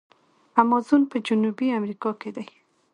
امازون په جنوبي امریکا کې دی.